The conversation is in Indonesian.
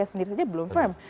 sendiri saja belum firm